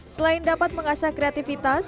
selain dapat mengasah kreatifitas